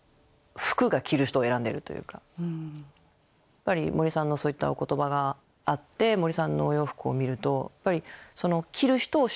やっぱり森さんのそういったお言葉があって森さんのお洋服を見ると着る人を主役にしてくれる服って。